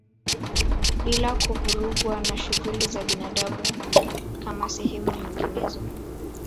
Bila kuvurugwa na shughuli za binadamu kama sehemu nyinginezo